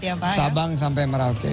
dari sabang sampai merauke